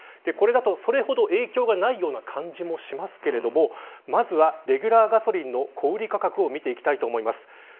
これだと、それほど影響がないような感じもしますがまずはレギュラーガソリンの小売り価格を見ていきたいと思います。